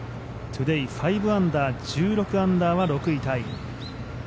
トゥデイ、５アンダー１６アンダーは６位タイ。